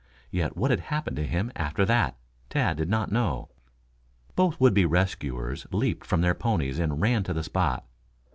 Yet what had happened to him after that, Tad did not know. Both would be rescuers leaped from their ponies and ran to the spot.